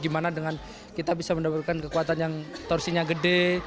gimana dengan kita bisa mendapatkan kekuatan yang torsinya gede